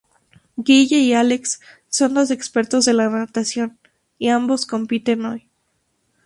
Guille y Álex son dos expertos de la natación y ambos compiten hoy.